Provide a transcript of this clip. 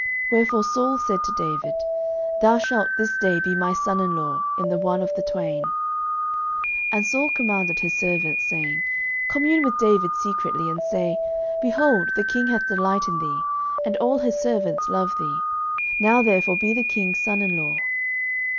Wherefore Saul said to David, Thou shalt this day be my son in law in the one of the twain. 09:018:022 And Saul commanded his servants, saying, Commune with David secretly, and say, Behold, the king hath delight in thee, and all his servants love thee: now therefore be the king's son in law.